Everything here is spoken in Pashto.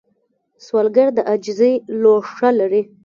سوالګر د عاجزۍ لوښه لري